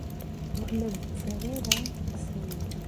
Ur la d-tettarra ara deg usawal.